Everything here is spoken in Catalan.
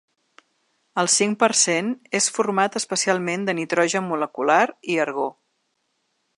El cinc per cent és format especialment de nitrogen molecular i argó.